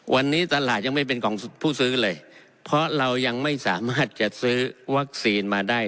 วันนี้ตลาดยังไม่เป็นของผู้ซื้อเลยเพราะเรายังไม่สามารถจะซื้อวัคซีนมาได้